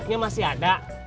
lauknya masih ada